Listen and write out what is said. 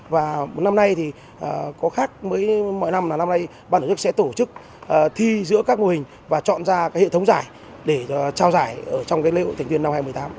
và một năm nay thì có khác với mọi năm là năm nay ban tổ chức sẽ tổ chức thi giữa các mô hình và chọn ra hệ thống giải để trao giải ở trong lễ hội thành viên năm hai nghìn một mươi tám